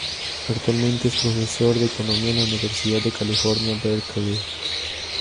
Actualmente es profesor de economía de la Universidad de California, Berkeley.